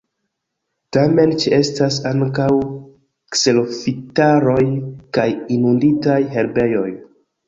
Tamen ĉeestas ankaŭ kserofitaroj kaj inunditaj herbejoj.